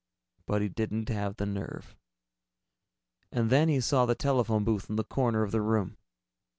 But he didn't have the nerve. And then he saw the telephone booth in the corner of the room.